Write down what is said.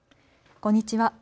こんにちは。